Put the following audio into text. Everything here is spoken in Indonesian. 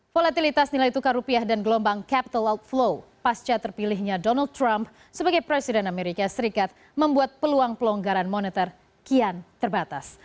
volatilitas nilai tukar rupiah dan gelombang capital outflow pasca terpilihnya donald trump sebagai presiden amerika serikat membuat peluang pelonggaran moneter kian terbatas